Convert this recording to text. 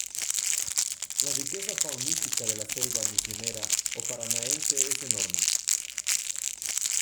La riqueza faunística de la selva misionera o paranaense es enorme.